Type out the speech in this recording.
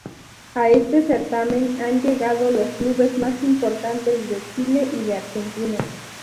A este certamen han llegado los clubes más importantes de Chile y de Argentina.